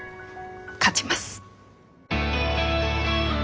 勝ちます。